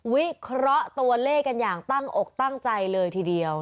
วิเคราะห์ตัวเลขกันอย่างตั้งอกตั้งใจเลยทีเดียว